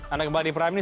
anda kembali daerah ini